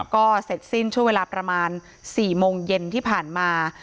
ก็เสร็จสิ้นช่วงเวลาประมาณ๔โมงเย็นที่ผ่านมา